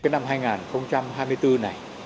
năm hai nghìn hai mươi bốn này